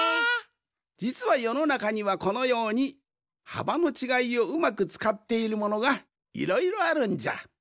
じつはよのなかにはこのようにはばのちがいをうまくつかっているものがいろいろあるんじゃ。